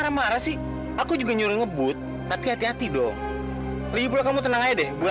sampai jumpa di video selanjutnya